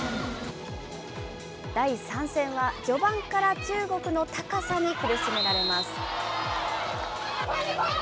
第３戦は、序盤から中国の高さに苦しめられます。